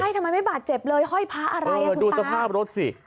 ทำไมไม่บาดเจ็บเลยห้อยพระอะไรอ่ะดูสภาพรถสิ